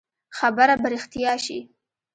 خبره به رښتيا شي.